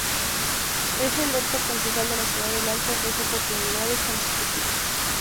Es electo concejal de la Ciudad de El Alto en dos oportunidades consecutivas.